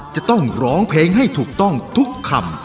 จะต้องร้องเพลงให้ถูกต้องทุกคำ